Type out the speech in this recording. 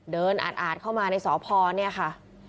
เดินอาดเข้ามาในสพเนี่ยค่ะ